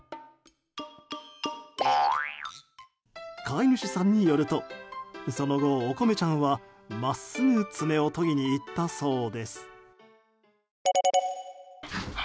飼い主さんによるとその後、おこめちゃんは真っすぐ爪を研ぎに行ったそうです。